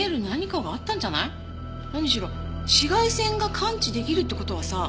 何しろ紫外線が感知出来るって事はさ